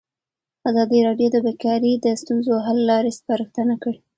ازادي راډیو د بیکاري د ستونزو حل لارې سپارښتنې کړي.